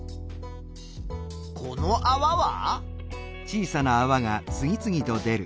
このあわは？